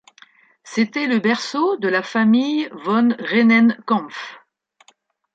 C’était le berceau de la famille von Rennenkampf.